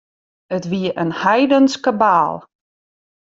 It wie in heidensk kabaal.